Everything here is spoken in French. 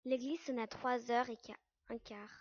L'église sonna trois heures un quart.